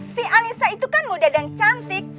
si anissa itu kan muda dan cantik